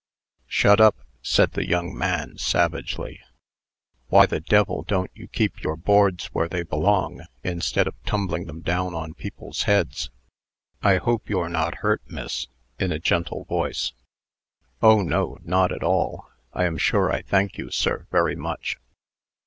"Shut up!" said the young man, savagely. "Why the d l don't you keep your boards where they belong, instead of tumbling them down on people's heads? I hope you are not hurt, miss?" (in a gentle voice). "Oh, no; not at all. I am sure I thank you, sir, very much."